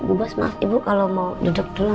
bu bos maaf ibu kalau mau duduk dulu